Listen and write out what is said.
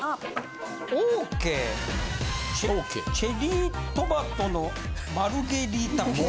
チェチェリートマトのマルゲリータピザ。